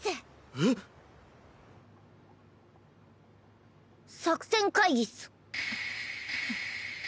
えっ？作戦会議っス。